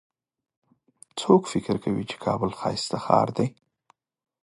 څوک فکر کوي چې کابل ښایسته ښار ده